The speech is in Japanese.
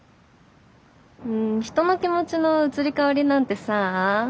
人の気持ちの移り変わりなんてさあ